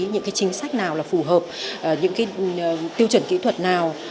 những cái chính sách nào là phù hợp những cái tiêu chuẩn kỹ thuật nào là tốt